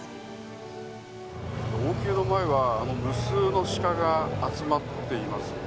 王宮の前は無数のシカが集まっています。